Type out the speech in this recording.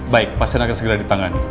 baik pasien akan segera ditangani